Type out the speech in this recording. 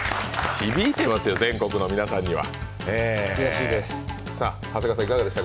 響いてますよ、全国の皆さんには。